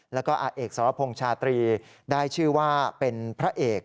แล้วก็อาเอกสรพงษ์ชาตรีได้ชื่อว่าเป็นพระเอก